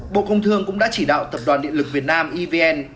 bộ công thương cũng đã chỉ đạo tập đoàn điện lực việt nam evn